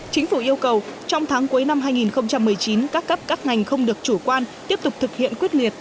chính phủ yêu cầu trong tháng cuối năm hai nghìn một mươi chín các cấp các ngành không được chủ quan tiếp tục thực hiện quyết liệt